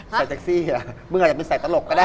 ใส่เซ็กซี่เหรอมึงอาจจะเป็นใส่ตลกก็ได้